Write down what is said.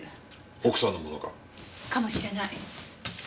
奥さんのものか？かもしれない。